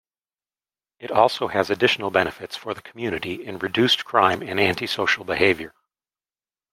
It also has additional benefits for the community in reduced crime and anti-social behaviour.